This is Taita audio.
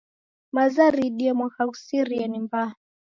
Maza diriidie mwaka ghusirie ni mbaa.